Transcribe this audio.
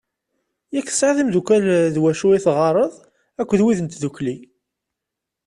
Yak tesɛiḍ imddukal d wacu i teɣɣareḍ akked wid n tddukli.